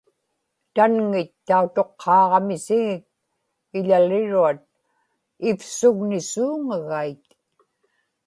tanŋit tautuqqaaqamisigik iḷaliruat ivsugnisuuŋagait